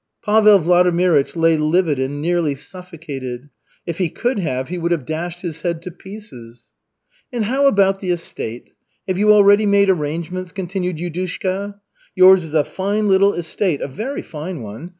Pavel Vladimirych lay livid and nearly suffocated. If he could have, he would have dashed his head to pieces. "And how about the estate? Have you already made arrangements?" continued Yudushka. "Yours is a fine little estate, a very fine one.